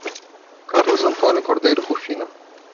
Carlos Antônio Cordeiro Rufino